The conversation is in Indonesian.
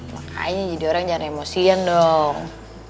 makanya jadi orang jangan emosian dong